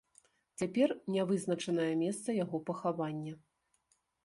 Цяпер не вызначанае месца яго пахавання.